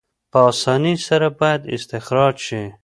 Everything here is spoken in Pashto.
په اسانۍ سره باید استخراج شي.